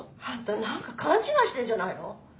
あんた何か勘違いしてんじゃないの？